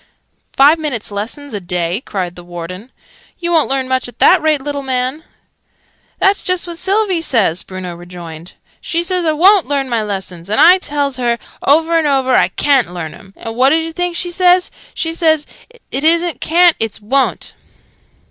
"Five minutes' lessons a day!" said the Warden. "You won't learn much at that rate, little man!" "That's just what Sylvie says," Bruno rejoined. "She says I wo'n't learn my lessons. And I tells her, over and over, I ca'n't learn 'em. And what doos oo think she says? She says 'It isn't ca'n't, it's wo'n't!'"